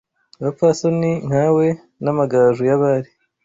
Abapfasoni nkawe N’amagaju y’abari